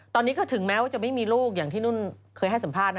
ตอนนี้ก็ถึงแม้ว่าจะไม่มีลูกอย่างที่นุ่นเคยให้สัมภาษณ์